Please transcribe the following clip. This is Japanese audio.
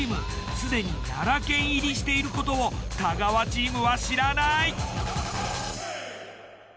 すでに奈良県入りしていることを太川チームは知らない。